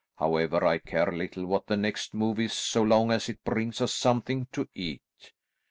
However, I care little what the next move is so long as it brings us something to eat.